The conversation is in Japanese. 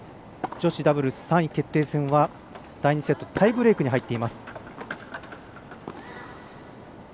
女子ダブルス３位決定戦は第２セットタイブレークに入っています。